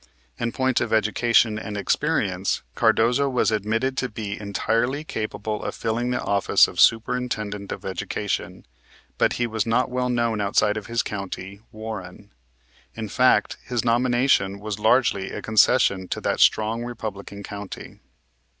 In point of education and experience Cardozo was admitted to be entirely capable of filling the office of Superintendent of Education; but he was not well known outside of his own county, Warren. In fact his nomination was largely a concession to that strong Republican county.